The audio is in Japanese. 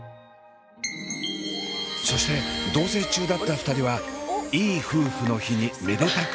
そして同棲中だった２人はいい夫婦の日にめでたく結婚。